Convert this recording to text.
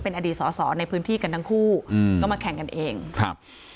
อดีตสอสอในพื้นที่กันทั้งคู่อืมก็มาแข่งกันเองครับ